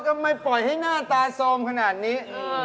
ทำไมปล่อยให้หน้าตาโซมขนาดนี้